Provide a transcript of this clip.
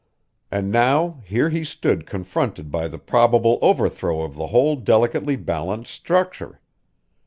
And now here he stood confronted by the probable overthrow of the whole delicately balanced structure.